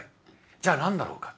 じゃあ何だろうか。